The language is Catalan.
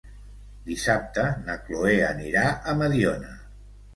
Dissabte na Cloè anirà a Mediona.